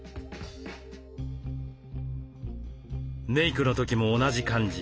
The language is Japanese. メークの時も同じ感じ。